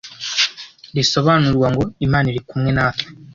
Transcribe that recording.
risobanurwa ngo “Imana iri kumwe natwe”.